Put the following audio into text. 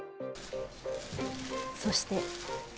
そして。